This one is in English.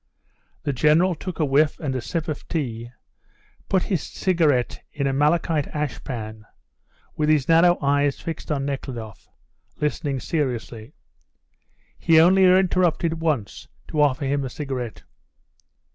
The General took a whiff and a sip of tea, put his cigarette into a malachite ashpan, with his narrow eyes fixed on Nekhludoff, listening seriously. He only interrupted him once to offer him a cigarette.